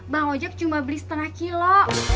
bang ojek cuma beli setengah kilo